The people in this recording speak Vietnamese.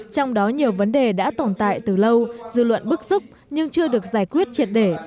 trong đó nhiều vấn đề đã tồn tại từ lâu dư luận bức xúc nhưng chưa được giải quyết triệt để